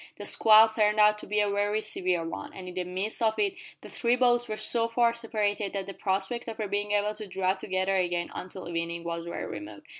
The squall turned out to be a very severe one, and in the midst of it the three boats were so far separated that the prospect of their being able to draw together again until evening was very remote.